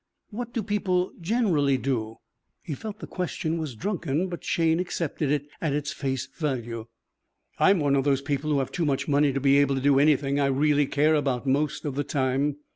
What do people generally do?" He felt the question was drunken, but Shayne accepted it at its face value. "I'm one of those people who have too much money to be able to do anything I really care about, most of the time.